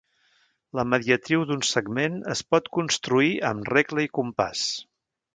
La mediatriu d'un segment es pot construir amb regle i compàs.